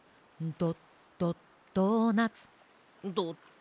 ドドドーナツ。